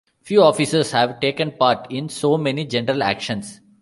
Few officers have taken part in so many general actions.